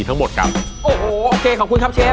โอ้โหโอเคขอบคุณครับเชฟ